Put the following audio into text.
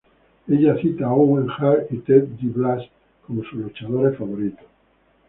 Ella cita a Owen Hart y Ted Dibiase como sus luchadores favoritos.